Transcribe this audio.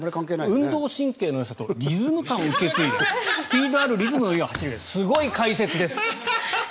運動神経のよさとリズム感を受け継いでスピードあるリズムのよい走りすごい解説です。